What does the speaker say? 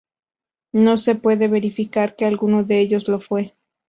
No se puede verificar que alguno de ellos lo fue.